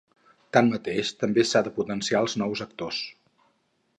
Tanmateix, també s'ha de potenciar els nous autors.